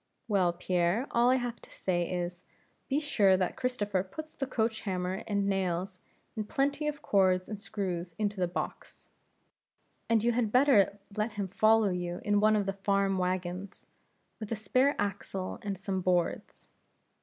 "Well, Pierre, all I have to say, is, be sure that Christopher puts the coach hammer and nails, and plenty of cords and screws into the box. And you had better let him follow you in one of the farm wagons, with a spare axle and some boards."